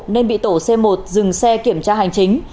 nên bị tổ c một dừng xe kiểm tra hành chính